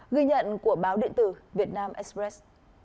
ghi nhận của báo điện tử việt nam express